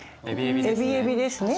エビエビですね。